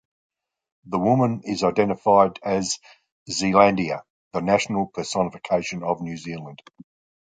The woman is identified as Zealandia, the national personification of New Zealand.